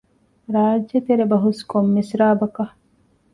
ރާއްޖެތެރެ ބަހުސް ކޮން މިސްރާބަކަށް؟